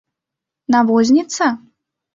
— Навозница?..